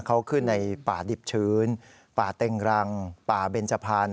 เขาขึ้นในป่าดิบชื้นป่าเต็งรังป่าเบนจพันธ